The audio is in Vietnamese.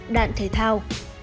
đạn thể thao